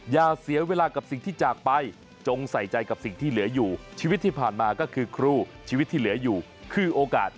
อย่าเสียเวลากับสิ่งที่จากไปจงใส่ใจกับสิ่งที่เหลืออยู่ชีวิตที่ผ่านมาก็คือครูชีวิตที่เหลืออยู่คือโอกาส